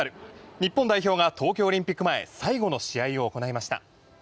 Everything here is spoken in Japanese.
日本代表が東京オリンピック前最後の試合を行いました。